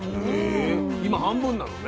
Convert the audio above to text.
今半分なのね。